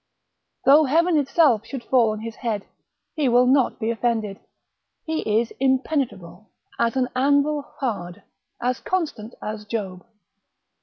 Though heaven itself should fall on his head, he will not be offended. He is impenetrable, as an anvil hard, as constant as Job.